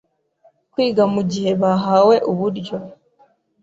kwiga mu gihe bahawe uburyo